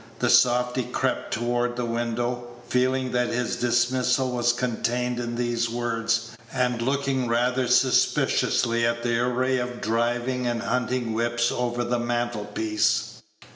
The softy crept toward the window, feeling that his dismissal was contained in these words, and looking rather suspiciously at the array of driving and hunting whips over the mantle piece.